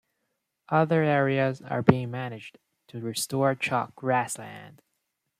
Other areas are being managed to restore chalk grassland.